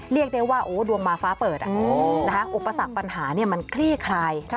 เรียกได้ว่าดวงมาฟ้าเปิดอุปสรรคปัญหามันคลี่คลาย